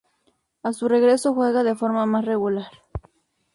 A su regreso juega de forma más regular.